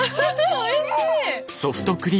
おいしい！